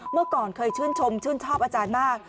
เมื่อก่อนเคยชื่นชมชื่นชอบอาจารย์มาก